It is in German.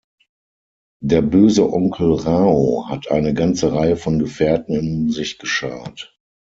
Der böse Onkel "Rao" hat eine ganze Reihe von Gefährten um sich geschart.